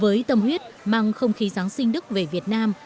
với tâm huyết mang không khí giáng sinh đức về việt nam